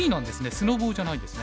スノボじゃないんですね。